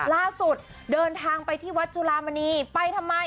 ล่าสุดเดินทางไปที่วัดจุลามณีไปทำไม